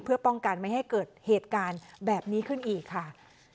เพื่อป้องกันไม่ให้เกิดเหตุการณ์แบบนี้ขึ้นอีกค่ะ